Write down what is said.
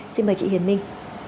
xin mời chị hiền minh